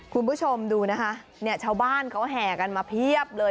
คุณผู้ชมดูนะคะเนี่ยชาวบ้านเขาแห่กันมาเพียบเลย